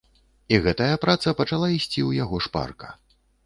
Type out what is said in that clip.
І гэтая праца пачала ісці ў яго шпарка.